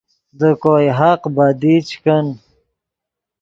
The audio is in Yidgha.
دے کوئے حق بدی چے کن